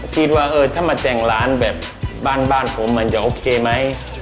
คิดว่าเออถ้ามาแต่งร้านแบบบ้านผมมันจะโอเคไหม